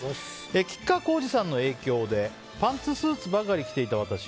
吉川晃司さんの影響でパンツスーツばかり着ていた私。